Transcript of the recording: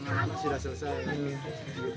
karena sudah selesai